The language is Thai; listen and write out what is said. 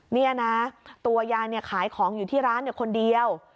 นี่นะตัวยายขายของอยู่ที่ร้านคนเดียว